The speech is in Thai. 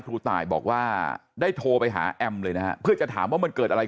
ครูตายบอกว่าได้โทรไปหาแอมเลยนะฮะเพื่อจะถามว่ามันเกิดอะไร